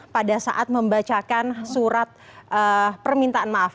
pada saat membacakan surat permintaan maaf